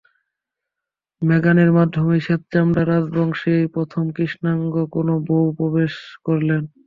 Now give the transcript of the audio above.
মেগানের মাধ্যমেই শ্বেত চামড়ার রাজবংশে এই প্রথম কৃষ্ণাঙ্গ কোনো বউ প্রবেশ করলেন।